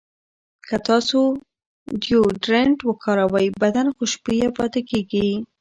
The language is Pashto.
که تاسو ډیوډرنټ وکاروئ، بدن خوشبویه پاتې کېږي.